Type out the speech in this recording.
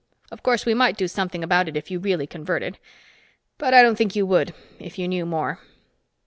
Of course, we might do something about it, if you really converted. But I don't think you would, if you knew more."